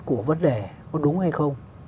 của vấn đề có đúng hay không